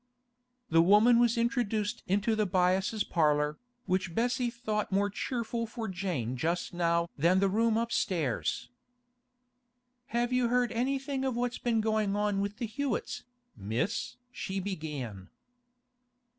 The woman was introduced to the Byasses' parlour, which Bessie thought more cheerful for Jane just now than the room upstairs. 'Have you heard anything of what's been goin' on with the Hewetts, Miss?' she began.